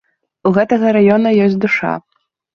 У гэтага раёна ёсць душа.